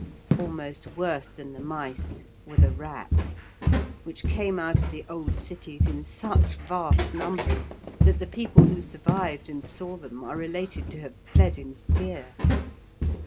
Almost worse than the mice were the rats, which came out of the old cities in such vast numbers that the people who survived and saw them are related to have fled in fear.